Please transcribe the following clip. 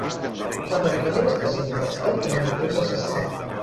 L'enverinament està sent investigat com un intent d'assassinat.